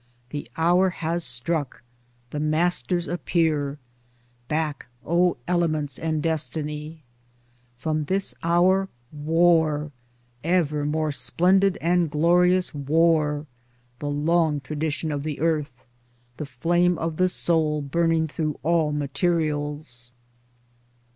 The hour has struck ! the Masters appear ! Back, O elements and destiny ! From this hour, War ! ever more splendid and glorious War ! the long tradition of the Earth ! The flame of the Soul, burning through all materials